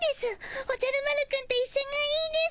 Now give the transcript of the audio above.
おじゃる丸くんといっしょがいいです。